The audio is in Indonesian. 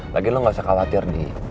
lagi lo gak usah khawatir nih